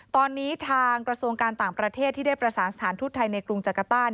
ตอนนี้ทางกระทรวงการต่างประเทศที่ได้ประสานสถานทูตไทยในกรุงจักรต้า